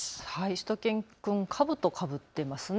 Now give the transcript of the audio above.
しゅと犬くん、かぶとをかぶっていますね。